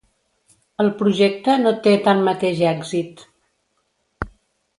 El projecte no té tanmateix èxit.